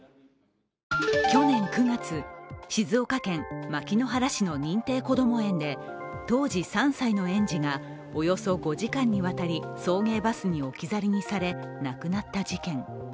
去年９月、静岡県牧之原市の認定こども園で当時３歳の園児がおよそ５時間にわたり送迎バスに置き去りにされ、亡くなった事件。